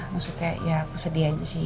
maksudnya ya aku sedih aja sih